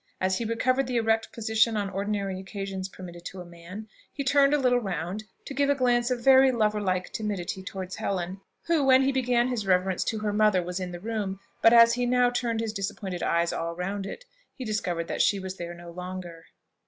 As he recovered the erect position on ordinary occasions permitted to man, he turned a little round to give a glance of very lover like timidity towards Helen, who when he began his reverence to her mother was in the room; but as he now turned his disappointed eyes all round it, he discovered that she was there no longer.